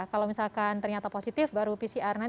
kalau misalkan ternyata positif baru pcr